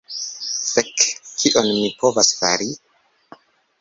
Fek! Kion mi povas fari?